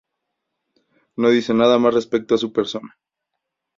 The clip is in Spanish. No dice nada más respecto a su persona.